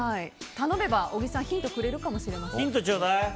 頼めば小木さんヒントくれるかもしれません。